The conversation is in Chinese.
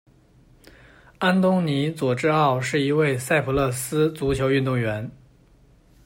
安东尼·佐治奥是一位赛普勒斯足球运动员。